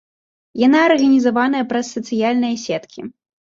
Яна арганізаваная праз сацыяльныя сеткі.